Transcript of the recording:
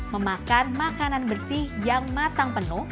memakan makanan bersih yang matang penuh